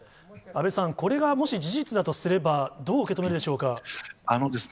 安倍さん、これがもし事実だとすれば、どう受け止めるでしょうか。